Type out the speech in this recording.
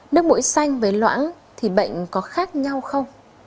nước mũi xanh với loãng thì bệnh có khác nhau không